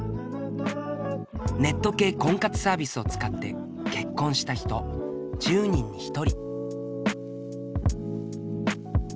ネット系婚活サービスを使って結婚した人１０人に１人。